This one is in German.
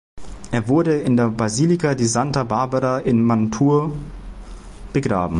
Er wurde in der Basilika di Santa Barbara in Mantua begraben.